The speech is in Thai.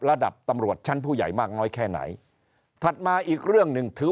ระดับตำรวจชั้นผู้ใหญ่มากน้อยแค่ไหนถัดมาอีกเรื่องหนึ่งถือ